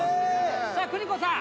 さあ邦子さん